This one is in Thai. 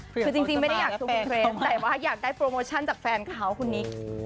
คือจริงไม่ได้อยากชมเทรนดแต่ว่าอยากได้โปรโมชั่นจากแฟนเขาคุณนิก